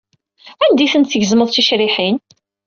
Anda ay ten-tgezmeḍ d ticriḥin?